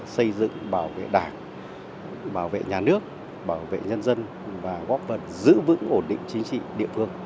xây dựng bảo vệ đảng bảo vệ nhà nước bảo vệ nhân dân và góp phần giữ vững ổn định chính trị địa phương